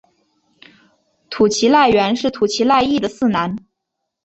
土岐赖元是土岐赖艺的四男。